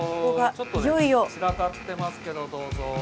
ちょっとね散らかってますけどどうぞ。